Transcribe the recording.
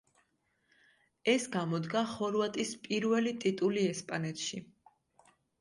ეს გამოდგა ხორვატის პირველი ტიტული ესპანეთში.